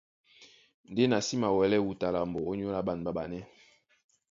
Ndé na sí mawɛlɛ́ wuta lambo ónyólá ɓân ɓáɓanɛ́.